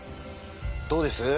どうです？